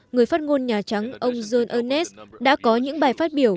người phát ngôn nhà trắng ông john ernest đã có những bài phát biểu